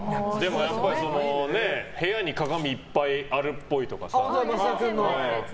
やっぱり部屋に鏡いっぱいあるっぽいとかさ。